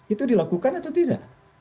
itu dilakukan atau tidak